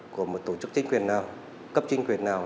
của một tổ chức chính quyền nào cấp chính quyền nào